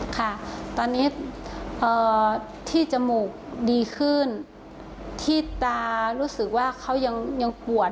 ค่ะตอนนี้ที่จมูกดีขึ้นที่ตารู้สึกว่าเขายังปวด